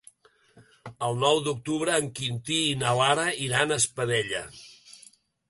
El nou d'octubre en Quintí i na Lara iran a Espadella.